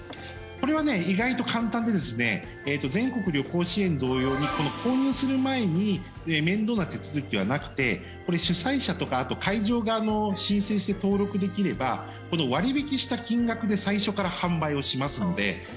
これは意外と簡単で全国旅行支援同様に購入する前に面倒な手続きはなくてこれ、主催者とかあと会場側も申請して登録できれば割引した金額で最初から販売をしますので。